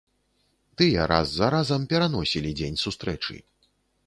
Тыя раз за разам пераносілі дзень сустрэчы.